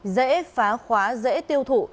dễ phá khóa dễ tiêu thụ